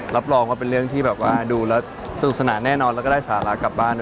รับรองว่าเป็นเรื่องที่แบบว่าดูแล้วสนุกสนานแน่นอนแล้วก็ได้สาระกลับบ้านด้วย